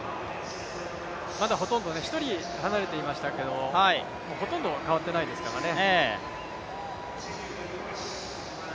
まだほとんど、１人離れていましたけどほとんど変わっていないですよね。